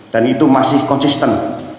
dan itu masih konsisten